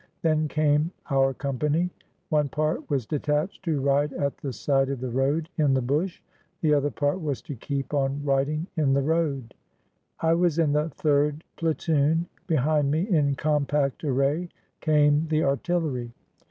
Then came our company. One part was detached to ride at the side of the road in the bush; the other part was to keep on riding in the road. I was in the third platoon. Behind me in compact array came the artillery.